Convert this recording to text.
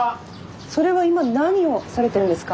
それは今何をされてるんですか？